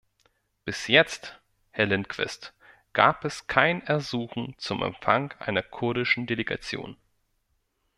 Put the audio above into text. Bis jetzt, Herr Lindqvist, gab es kein Ersuchen zum Empfang einer kurdischen Delegation.